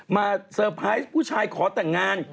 เซอร์ไพรส์ผู้ชายขอแต่งงาน